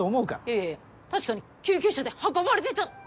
いやいや確かに救急車で運ばれてた！